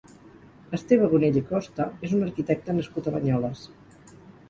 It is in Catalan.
Esteve Bonell i Costa és un arquitecte nascut a Banyoles.